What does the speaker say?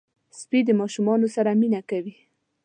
سپي د ماشومانو سره مینه کوي.